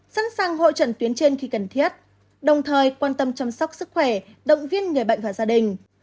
sẵn sàng hội trận tuyến trên khi cần thiết đồng thời quan tâm chăm sóc sức khỏe động viên người bệnh và gia đình